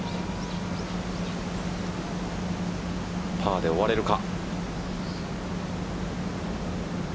パーで終われるか。